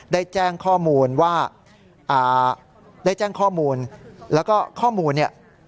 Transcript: ได้แจ้งข้อมูลแล้วก็ข้อมูลเนี่ย